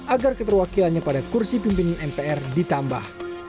agar keterwakilannya pada kursi pimpinan mpr ditambah